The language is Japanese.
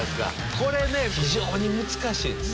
これね非常に難しいです。